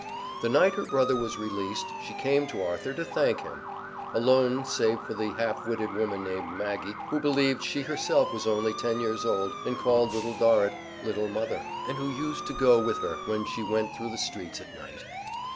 The night her brother was released she came to Arthur to thank him alone save for a half witted woman named Maggie, who believed she herself was only ten years old, and called Little Dorrit "Little Mother," and who used to go with her when she went through the streets at night.